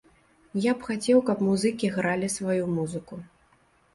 Я б хацеў, каб музыкі гралі сваю музыку.